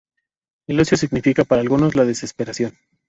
El ocio significa para algunos la desesperación.